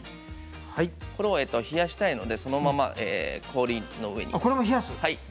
これを冷やしたいのでそのまま氷の上に。